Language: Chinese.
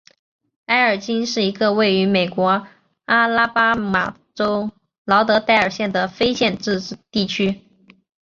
埃尔金是一个位于美国阿拉巴马州劳德代尔县的非建制地区。